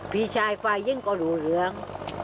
พี่ชายควายยิ้งก็รู้เรือง